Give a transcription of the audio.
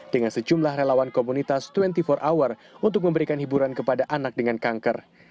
dengan sejumlah relawan komunitas dua puluh empat hour untuk memberikan hiburan kepada anak dengan kanker